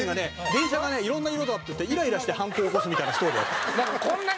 電車がいろんな色だっていってイライラして犯行を起こすみたいなストーリーだったの。